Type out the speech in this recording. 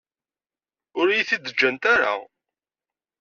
Ur iyi-t-id-ǧǧant ara.